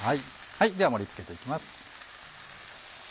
では盛り付けていきます。